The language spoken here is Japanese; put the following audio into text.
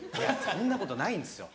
そんなことないんですよ